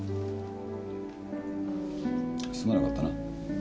すまなかったな。